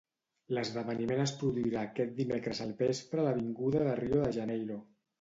L'esdeveniment es produirà aquest dimecres al vespre a l'avinguda de Rio de Janeiro.